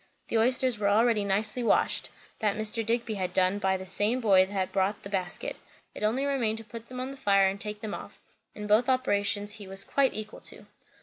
The oysters were already nicely washed; that Mr. Digby had had done by the same boy that brought the basket; it only remained to put them on the fire and take them off; and both operations he was quite equal to.